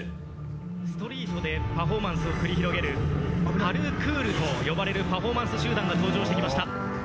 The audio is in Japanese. ストリートでパフォーマンスを繰り広げる、パルクールと呼ばれるパフォーマンス集団が登場してきました。